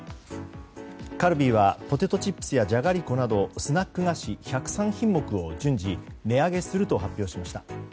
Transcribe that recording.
カルビーはポテトチップスやじゃがりこなどスナック菓子１０３品目を順次、値上げすると発表しました。